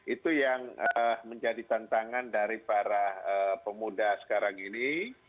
itu yang menjadi tantangan dari para pemuda sekarang ini